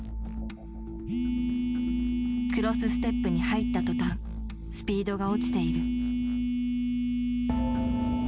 クロスステップに入った途端スピードが落ちている。